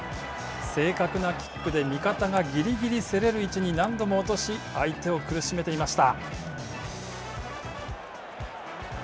正確なキックで、味方がぎりぎり競れる位置に何度も落とし、相手を苦しめていました。